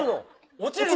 落ちるの。